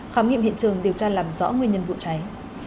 khám nghiệm hiện trường điều tra làm rõ nguyên nhân vụ cháy